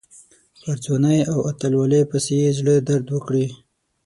پر ځوانۍ او اتلولۍ پسې یې زړه درد وکړي.